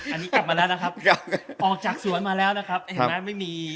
อันนี้กลับมาแล้วนะครับออกจากสวนมาแล้วนะครับเห็นไหมไม่มี